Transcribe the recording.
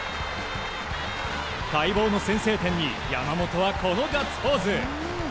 待望の先制点に山本はこのガッツポーズ。